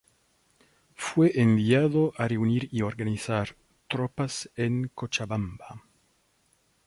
Fue enviado a reunir y organizar tropas en Cochabamba.